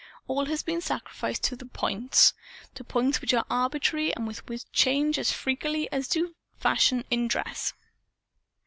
All has been sacrificed to "points" to points which are arbitrary and which change as freakily as do fashions in dress.